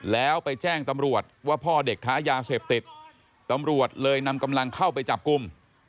แล้วไปแจ้งตำรวจว่าพ่อเด็กค้ายาเสพติดตำรวจเลยนำกำลังเข้าไปจับกลุ่ม